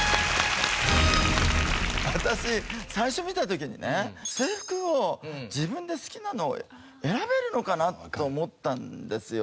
私最初見た時にね制服を自分で好きなのを選べるのかなと思ったんですよ。